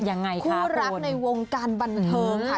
ยังไงคะคนคู่รักในวงการบันเทิงค่ะ